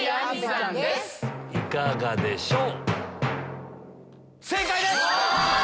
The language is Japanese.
いかがでしょう？